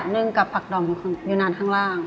ึ่งกับผักด่อมอยู่นานข้างล่าง